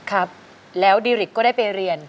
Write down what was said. ครับแล้วดิริกก็ได้ไปเรียน